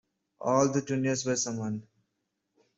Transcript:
All the juniors were summoned.